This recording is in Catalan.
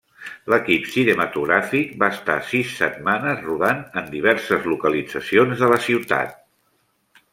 L'equip cinematogràfic va estar sis setmanes rodant en diverses localitzacions de la ciutat.